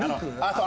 そう。